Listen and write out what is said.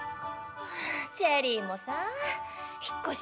チェリーもさぁ引っ越し